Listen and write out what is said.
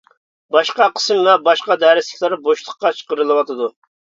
باشقا قىسىم ۋە باشقا دەرسلىكلەر بوشلۇققا چىقىرىلىۋاتىدۇ.